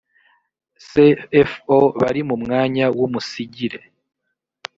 cfo bari mu mwanya w umusigire